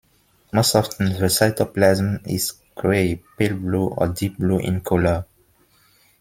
Most often, the cytoplasm is gray, pale blue, or deep blue in colour.